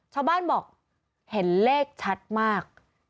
ชาวบ้านบอกเห็นเลขชัดมาก